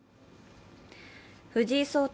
藤井聡太